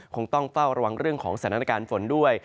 คงต้องเฝ้าระวังเรื่องของสถานการณ์ฝนด้วย